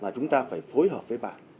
chúng ta phải phối hợp với bạn